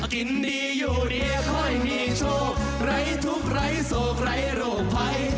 กินดีอยู่ดีค่อยมีโชคไร้ทุกข์ไร้โศกไร้โรคภัย